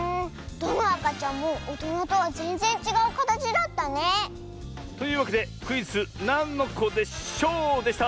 どのあかちゃんもおとなとはぜんぜんちがうかたちだったね。というわけでクイズ「なんのこでショー」でした！